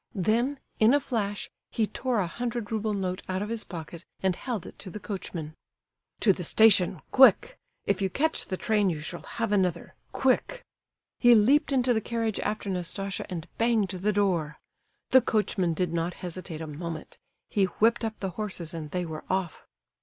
Then, in a flash, he tore a hundred rouble note out of his pocket and held it to the coachman. "To the station, quick! If you catch the train you shall have another. Quick!" He leaped into the carriage after Nastasia and banged the door. The coachman did not hesitate a moment; he whipped up the horses, and they were off.